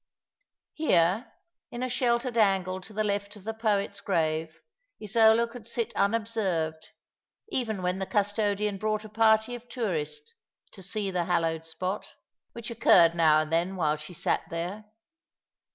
Here, in a sheltered angle to the left of the poet's grave, Isola could sit unobserved, even when the custodian brought a party of tourists to see the hallowed spot, which occurred now and then while she sat there.